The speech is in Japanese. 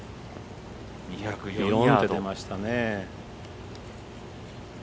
２０４って出ましたね。